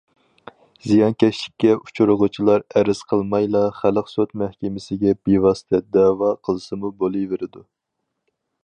زىيانكەشلىككە ئۇچرىغۇچىلار ئەرز قىلمايلا، خەلق سوت مەھكىمىسىگە بىۋاسىتە دەۋا قىلسىمۇ بولۇۋېرىدۇ.